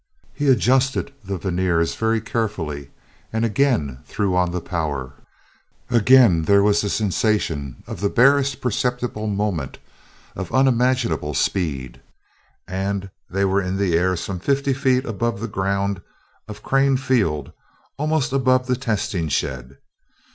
He adjusted the verniers very carefully, and again threw on the power. Again there was the sensation of the barest perceptible moment of unimaginable speed, and they were in the air some fifty feet above the ground of Crane Field, almost above the testing shed.